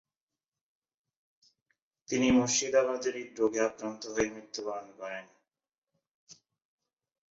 তিনি মুর্শিদাবাদে হৃদরোগে আক্রান্ত হয়ে মৃত্যুবরণ করেন।